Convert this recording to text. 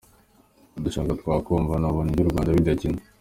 Dushatse twakwumva, nabonye iby’u Rwanda bidakina!